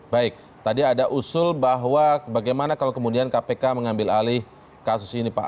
baik tadi ada usul bahwa bagaimana kalau kemudian kpk mengambil alih kasus ini pak